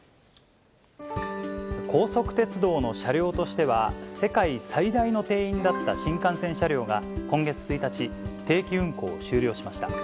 高速鉄道の車両としては、世界最大の定員だった新幹線車両が今月１日、定期運行を終了しました。